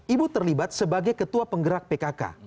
ibu terlibat sebagai ketua penggerak pkk